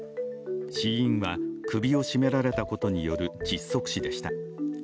死因は首を絞められたことによる窒息死でした。